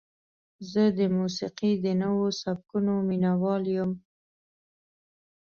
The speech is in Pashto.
زه د موسیقۍ د نوو سبکونو مینهوال یم.